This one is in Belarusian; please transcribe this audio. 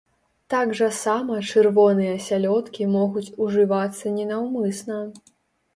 Так жа сама чырвоныя сялёдкі могуць ужывацца ненаўмысна.